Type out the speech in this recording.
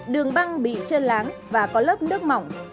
đường băng bị chân láng và có lớp nước mỏng